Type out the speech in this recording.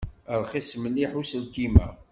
Rxis mliḥ uselkim-a.